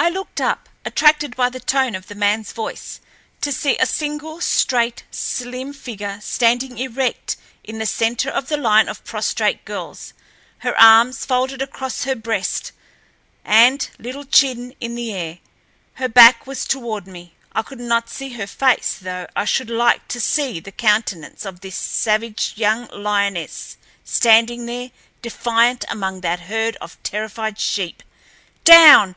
I looked up, attracted by the tone of the manl's voice, to see a single, straight, slim figure standing erect in the center of the line of prostrate girls, her arms folded across her breast and little chin in the air. Her back was toward me—I could not see her face, though I should like to see the countenance of this savage young lioness, standing there defiant among that herd of terrified sheep. "Down!